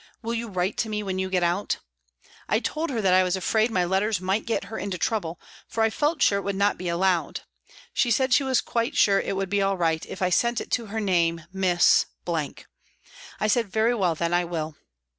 Will you write to me when you get out ?" I told her that I was afraid my letters might get her into trouble, for I felt sure it would not be allowed. She said she was quite sure it would be all right, if I sent it to her name, Miss . I said, " Very well, then, I will."